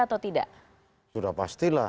atau tidak sudah pastilah